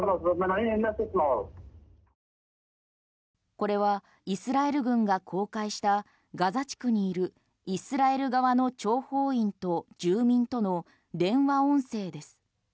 これはイスラエル軍が公開したガザ地区にいるイスラエル側の諜報員と住民との電話音声です。